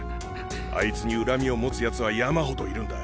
あいつに恨みを持つヤツは山ほどいるんだ。